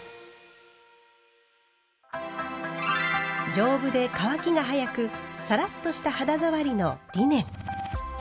丈夫で乾きが早くサラッとした肌触りのリネン。